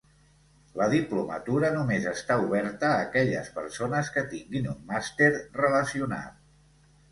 La diplomatura només està oberta a aquelles persones que tinguin un màster relacionat.